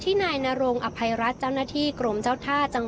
ถ้าสิ่งพิพายุที่จงถูกหมายเป็น